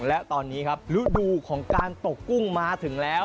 และตอนนี้ครับฤดูของการตกกุ้งมาถึงแล้ว